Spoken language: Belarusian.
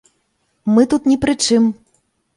Мы тут ні пры чым!